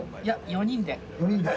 ４人で。